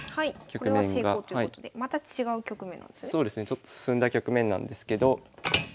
ちょっと進んだ局面なんですけど。